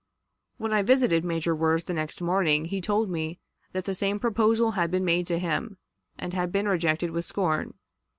"When I visited Major Wirz the next morning, he told me that the same proposal had been made to him, and had been rejected with scorn.